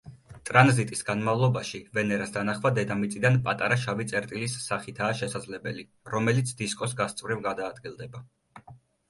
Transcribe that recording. ტრანზიტის განმავლობაში, ვენერას დანახვა დედამიწიდან პატარა შავი წერტილის სახითაა შესაძლებელი, რომელიც დისკოს გასწვრივ გადაადგილდება.